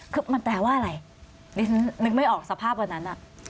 คือมันแปลว่าอะไรนึกไม่ออกสภาพเหมือนนั้นอ่ะ